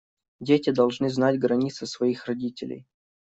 Дети должны знать границы своих родителей.